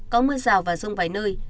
có mưa rào và rông vài nơi